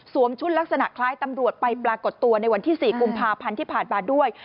ชุดลักษณะคล้ายตำรวจไปปรากฏตัวในวันที่๔กุมภาพันธ์ที่ผ่านมาด้วย